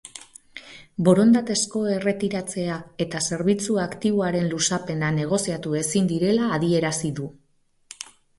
Borondatezko erretiratzea eta zerbitzu aktiboaren luzapena negoziatu ezin direla adierazi du.